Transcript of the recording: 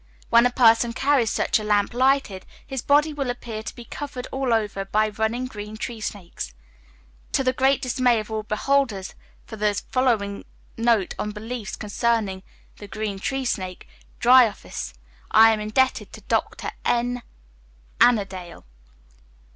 When a person carries such a lamp lighted, his body will appear to be covered all over by running green tree snakes, to the great dismay of all beholders. For the following note on beliefs concerning the green tree snake (Dryophis), I am indebted to Dr N. Annandale.